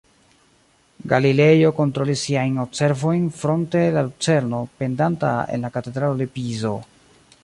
Galilejo kontrolis siajn observojn fronte la lucerno pendanta en la Katedralo de Pizo.